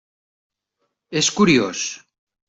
És curiós.